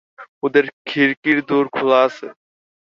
ওদের খিড়কির দোর খোলা আছে।